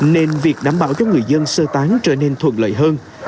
nên việc đảm bảo cho người dân sơ tán trở nên thuận lợi hơn